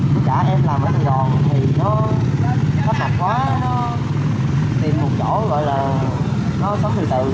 cứ cả em làm ở sài gòn thì nó khách mặt quá nó tìm một chỗ gọi là nó sống từ từ